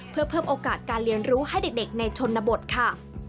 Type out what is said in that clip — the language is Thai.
เพื่อเพิ่มโอกาสการเรียนรู้ให้เด็กในชนบทค่ะ